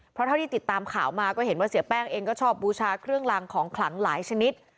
เพราะเท่าที่ติดตามข่าวมาก็เห็นว่าเสียแป้งเองก็ชอบบูชาเครื่องรางของขลังหลายชนิด